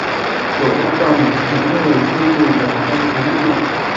Đổ đồng, mỗi người tiêu mười đồng cho chuyến du ngoạn